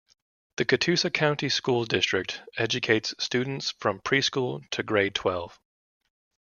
The Catoosa County School District educates students from pre-school to grade twelve.